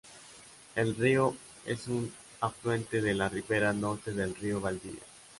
El río es un afluente de la ribera norte del río Valdivia.